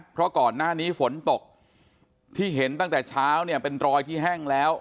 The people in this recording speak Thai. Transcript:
เพราะก่อนหน้านี้ฝนตกที่เห็นตั้งแต่เช้าเนี่ยเป็นรอยที่แห้งแล้ว